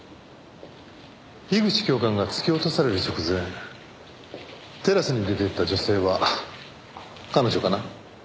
樋口教官が突き落とされる直前テラスに出て行った女性は彼女かな？